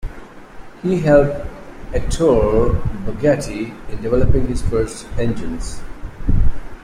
He helped Ettore Bugatti in developing his first engines.